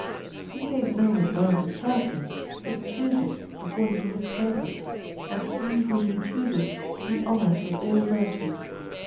He pays no regard to persons, but chooses according to His purpose; and he whom He chooses He honours with all virtues.